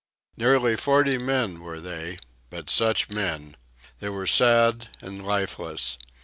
Nearly forty men were they, but such men! They were sad and lifeless.